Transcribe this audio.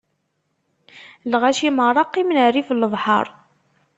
Lɣaci meṛṛa qqimen rrif n lebḥeṛ.